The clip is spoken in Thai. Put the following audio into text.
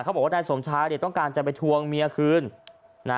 เขาบอกว่านายสมชายต้องการจะไปทวงเมียคืน